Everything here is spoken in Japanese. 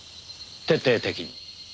徹底的に。